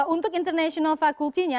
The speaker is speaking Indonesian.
untuk international faculty nya